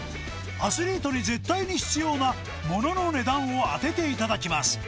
アスリートに絶対に必要な物の値段を当てていただきます